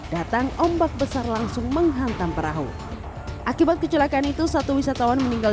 datang ombak besar langsung menghantam perahu akibat kecelakaan itu satu wisatawan meninggal